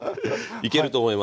いけると思います。